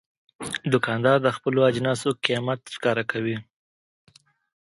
دوکاندار د خپلو اجناسو قیمت ښکاره کوي.